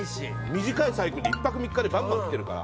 短いサイクルで１泊３日でバンバン来てるから。